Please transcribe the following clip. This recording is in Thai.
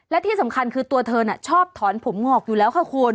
และที่สำคัญคือตัวเธอน่ะชอบถอนผมงอกอยู่แล้วค่ะคุณ